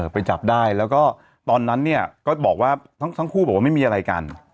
ไปจับได้แล้วก็ตอนนั้นเนี่ยก็บอกว่าทั้งคู่บอกว่าไม่มีอะไรกัน